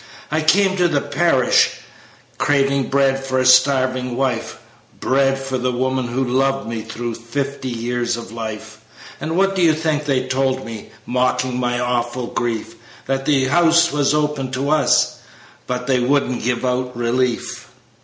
"I came to the parish, craving Break for a starving wife, Bread for the woman who'd loved me Through fifty years of life; And what do you think they told me, Mocking my awful grief? That 'the House' was open to us, But they wouldn't give 'out relief.'